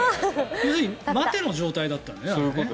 待ての状態だったんだね。